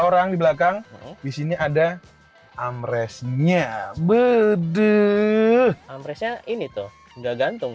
orang di belakang di sini ada armrestnya beduh armrestnya ini tuh enggak gantung